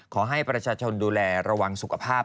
ขอให้ประชาชนดูแลระวังสุขภาพ